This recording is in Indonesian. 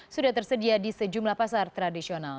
sudah tersedia di sejumlah pasar tradisional